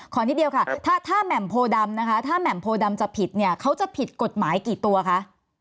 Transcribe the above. ขอนิดเดียวค่ะถ้าแหม่มโพรดำจะผิดเขาจะผิดกฎหมายกี่ตัวคะ